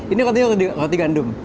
ini roti gandum